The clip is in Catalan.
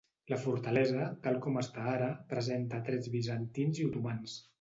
La fortalesa, tal com està ara, presenta trets bizantins i otomans.